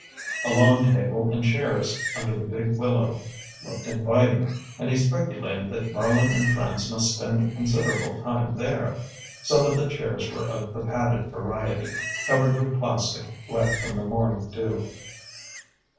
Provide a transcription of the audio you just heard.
A lawn table and chairs under the big willow looked inviting, and he speculated that Merlin and friends must spend considerable time there. Some of the chairs were of the padded variety, covered with plastic wet from the morning dew.